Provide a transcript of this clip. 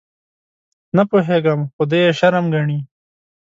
_نه پوهېږم، خو دوی يې شرم ګڼي.